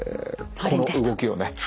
この動きをね